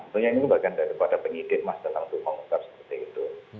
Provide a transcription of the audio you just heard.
sebenarnya ini bagian dari pada penyidik mas dalam tukang muka seperti itu